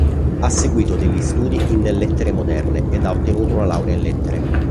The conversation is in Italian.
Ha seguito degli studi in lettere moderne, ed ha ottenuto una laurea in lettere.